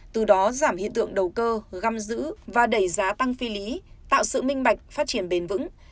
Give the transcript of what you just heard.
từ đó giảm hiện tượng đầu cơ găm giữ và đẩy giá tăng phi lý tạo sự minh bạch phát triển bền vững